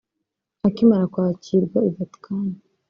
Akimara kwakirwa i Vatican